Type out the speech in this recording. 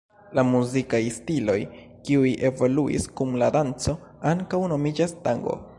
La muzikaj stiloj, kiuj evoluis kun la danco, ankaŭ nomiĝas tango.